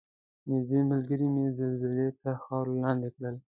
نږدې ملګرې مې زلزلې تر خاورو لاندې کړل.